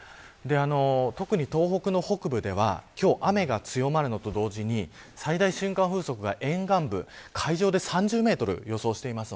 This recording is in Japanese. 特に東北の北部では今日、雨が強まるのと同時に最大瞬間風速が沿岸部、海上で３０メートルを予想しています。